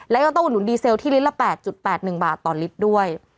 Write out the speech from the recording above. และยังต้องอุดหนุนดีเซลที่ลิตรละ๘๘๑บาทต่อลิตรด้วย